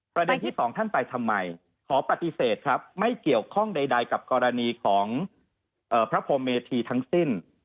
ประเด็นที่สองท่านไปทำไมขอปฏิเสธครับไม่เกี่ยวข้องใดกับกรณีของพระพรมเมธีทั้งสิ้น